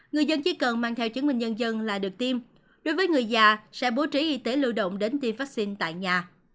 người dân chỉ cần mang theo chứng minh nhân dân là được tiêm đối với người già sẽ bố trí y tế lưu động đến tiêm vaccine tại nhà